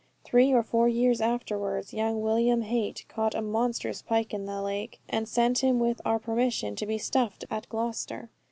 Three or four years afterwards young William Hiatt caught a monstrous pike in the lake, and sent him, with our permission, to be stuffed at Gloucester.